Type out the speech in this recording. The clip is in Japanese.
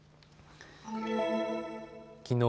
きのう